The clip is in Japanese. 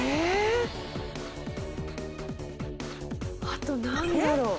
あと何だろう？